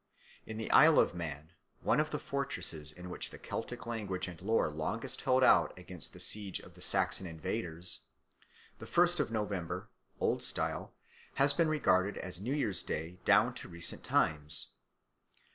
In the Isle of Man, one of the fortresses in which the Celtic language and lore longest held out against the siege of the Saxon invaders, the first of November, Old Style, has been regarded as New Year's day down to recent times.